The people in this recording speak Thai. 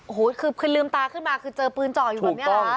โอ้โหคือคือลืมตาขึ้นมาคือเจอปืนจอดอยู่แบบเนี้ย